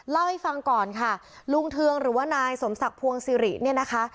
เล่าให้ฟังก่อนค่ะลุงเทืองหรือว่านายสมศักดิ์พวงศิริเนี่ยนะคะ